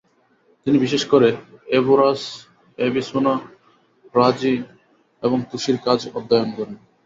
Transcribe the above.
তিনি বিশেষ করে অ্যাভেরোস, অ্যাভিসেনা, রাজি এবং তুসির কাজ অধ্যয়ন করেন।